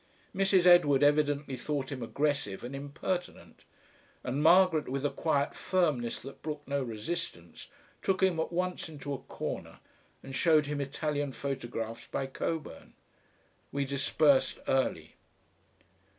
Mrs. Edward evidently thought him aggressive and impertinent, and Margaret with a quiet firmness that brooked no resistance, took him at once into a corner and showed him Italian photographs by Coburn. We dispersed early.